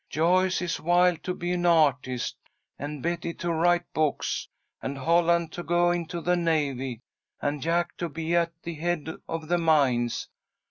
"Joyce is wild to be an artist, and Betty to write books, and Holland to go into the navy, and Jack to be at the head of the mines.